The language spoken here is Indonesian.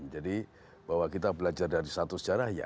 jadi bahwa kita belajar dari satu sejarah ya